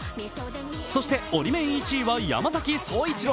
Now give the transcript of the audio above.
そしてオリメン１位は山崎颯一郎。